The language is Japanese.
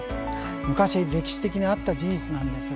昔歴史的にあった事実なんです。